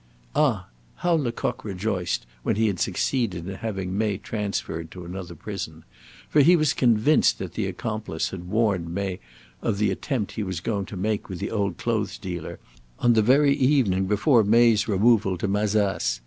Ah! how Lecoq rejoiced that he had succeeded in having May transferred to another prison; for he was convinced that the accomplice had warned May of the attempt he was going to make with the old clothes dealer on the very evening before May's removal to Mazas.